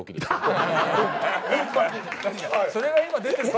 それが今出てる。